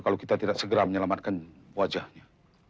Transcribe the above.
kalau kita tidak segera menyelamatkan wajahnya